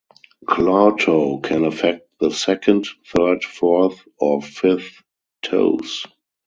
Claw toe can affect the second, third, fourth, or fifth toes.